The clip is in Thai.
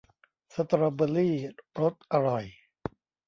สตรอเบอร์รี่รสอร่อย !